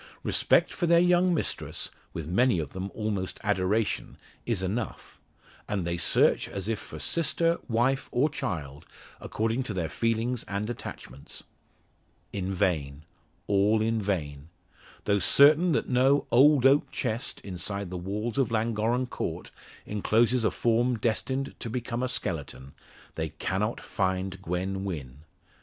Respect for their young mistress with many of them almost adoration is enough; and they search as if for sister, wife, or child according to their feelings and attachments. In vain all in vain. Though certain that no "old oak chest" inside the walls of Llangorren Court encloses a form destined to become a skeleton, they cannot find Gwen Wynn.